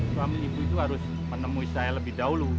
suami ibu itu harus menemui saya lebih dahulu